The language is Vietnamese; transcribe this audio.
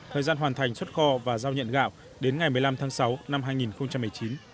thời gian hoàn thành xuất kho và giao nhận gạo đến ngày một mươi năm tháng sáu năm hai nghìn một mươi chín